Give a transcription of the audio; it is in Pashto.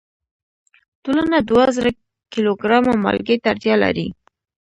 ټولنه دوه زره کیلو ګرامه مالګې ته اړتیا لري.